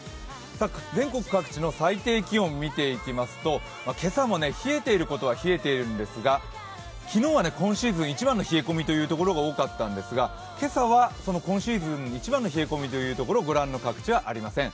全国各地の最低気温見ていきますと今朝も冷えていることは冷えているんですが、昨日は今シーズン一番の冷え込みという所が多かったんですが今朝は今シーズン一番の冷え込みは、ご覧の各地はありません。